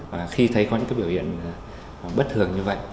và khi thấy có những biểu hiện bất thường như vậy